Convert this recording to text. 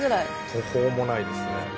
途方もないですね。